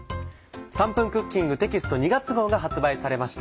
『３分クッキング』テキスト２月号が発売されました。